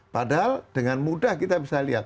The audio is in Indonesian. padahal dengan mudah kita bisa lihat